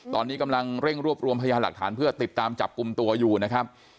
ตอนนี้กำลังเร่งรวบรวมพยานหลักฐานเพื่อติดตามจับกลุ่มตัวอยู่นะครับ